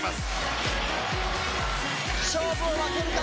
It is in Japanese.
勝負を分けるか！？